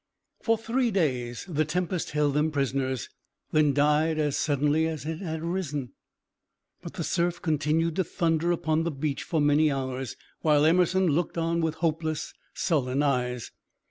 For three days the tempest held them prisoners, then died as suddenly as it had arisen; but the surf continued to thunder upon the beach for many hours, while Emerson looked on with hopeless, sullen eyes.